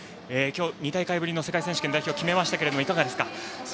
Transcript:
２大会ぶりの世界選手権代表決めましたがいかがでしたか。